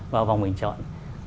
vào vòng hình chọn